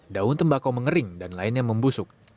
daun tembakau mengering dan lainnya membusuk